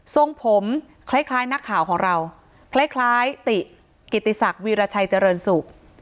ทรงผมคล้ายนักข่าวของเราคล้ายติกิติศักดิ์วีรชัยเจริญสุข